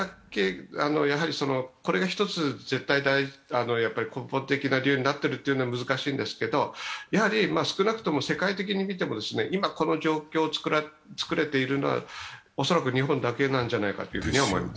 これが根本的な理由になっているというのは難しいんですけど、少なくとも世界的に見ても、今この状況を作れているのは恐らく日本だけだと思います。